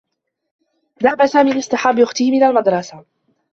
ذهب سامي لاصطحاب أخته من المدرسة.